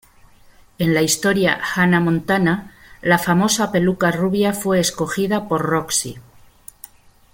En la historia "Hannah Montana", la famosa peluca rubia fue escogida por Roxy.